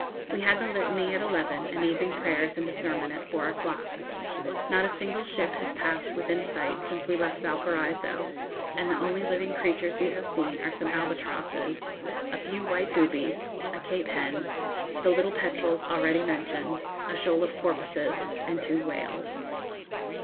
We had the Litany at eleven, and evening prayers and a sermon at four o'clock. Not a single ship has passed within sight since we left Valparaiso, and the only living creatures we have seen are some albatrosses, a few white boobies, a cape hen, the little petrels already mentioned, a shoal of porpoises, and two whales.